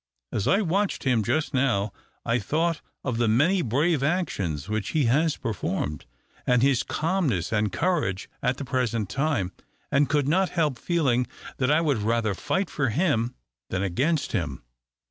As I watched him just now, I thought of the many brave actions which he has performed, and his calmness and courage at the present time, and could not help feeling that I would rather fight for him than against him."